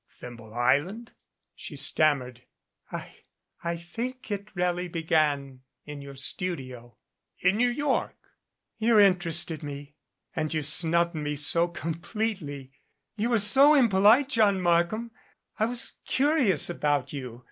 "Thimble Island?" She stammered. "I I think it really began in your studio." "In New York?" "You interested me and you snubbed me so com pletely. You were so impolite, John Markham. I was curious about you.